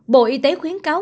bộ y tế khuyến cáo